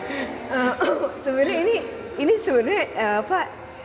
nah sebenarnya ini ini sebenarnya apa